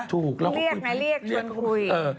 ถูกเราก็คุยเรียกนะเรียกชวนคุย